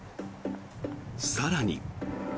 更に。